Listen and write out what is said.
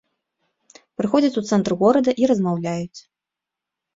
Прыходзяць у цэнтр горада і размаўляюць.